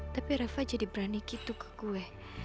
tapi rafa jadi berani gitu ke gue